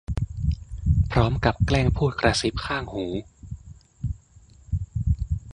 พร้อมกับแกล้งพูดกระซิบข้างหู